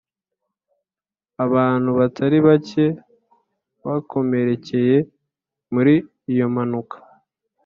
abantu batari bake bakomerekeye muri iyo mpanuka.